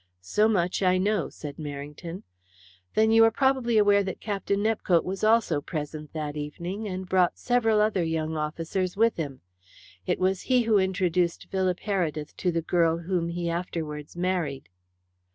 "So much I know," said Merrington. "Then you are probably aware that Captain Nepcote was also present that evening, and brought several other young officers with him. It was he who introduced Philip Heredith to the girl whom he afterwards married."